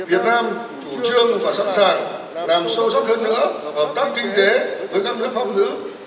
việt nam chủ trương và sẵn sàng làm sâu sắc hơn nữa hợp tác kinh tế với các nước pháp ngữ